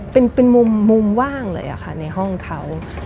เป็นมุมว่างเลยค่ะในห้องเขา